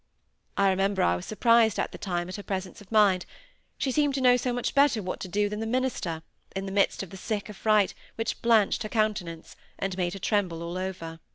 I remember I was surprised at the time at her presence of mind, she seemed to know so much better what to do than the minister, in the midst of the sick affright which blanched her countenance, and made her tremble all over.